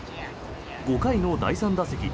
５回の第３打席。